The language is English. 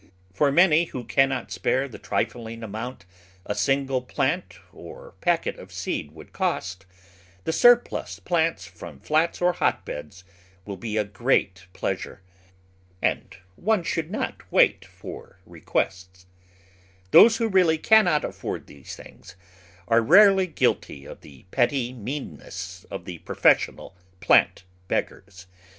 For many who cannot spare the trifling amount a single plant or packet of seed would cost, the surplus plants from flats or hotbeds will be a great pleasure, and one should not wait for re Digitized by Google 256 The Flower Garden [Chapter quests. Those who really cannot afford these things are rarely guilty of the petty meanness of the pro fessional plant beggars.